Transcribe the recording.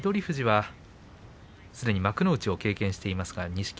富士は、すでに幕内を経験していますが錦